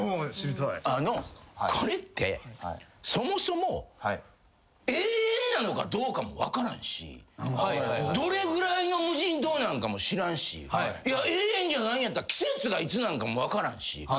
これってそもそも永遠なのかどうかも分からんしどれぐらいの無人島なんかも知らんしいや永遠じゃないんやったら季節がいつなんかも分からんし